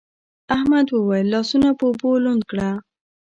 احمد وويل: لاسونه په اوبو لوند کړه.